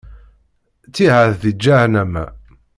Ttiɛad di ǧahennama.